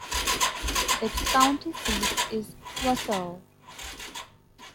Its county seat is Wausau.